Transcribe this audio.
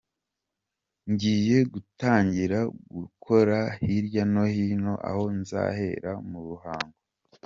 ngiye gutangira gukora hirya no hino aho nzahera mu Ruhango.